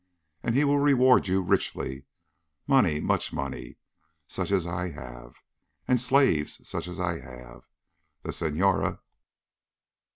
And he will reward you richly. Money, much money, such as I have. And slaves such as I have. The Senhora...."